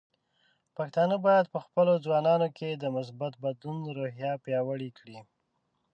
پښتانه بايد په خپلو ځوانانو کې د مثبت بدلون روحیه پیاوړې کړي.